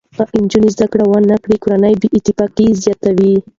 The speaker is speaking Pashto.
که نجونې زده کړه نه وکړي، کورنۍ بې اتفاقي زیاته وي.